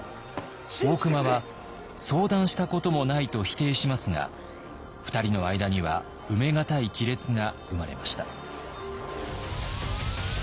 大隈は「相談したこともない」と否定しますが２人の間には埋め難い亀裂が生まれました。